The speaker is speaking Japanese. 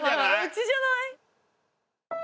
うちじゃない？